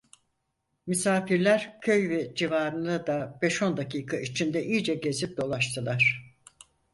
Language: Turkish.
Misafirler köy ve civarını da beş on dakika içinde iyice gezip dolaştılar.